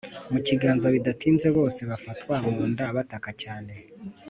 mukiganza bidatinze bose bafatwa munda bataka cyane.